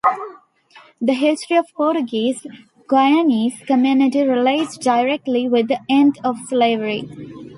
The history of Portuguese Guyanese community relates directly with the end of slavery.